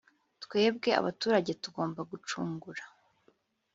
Twebwe abaturage tugomba gucungura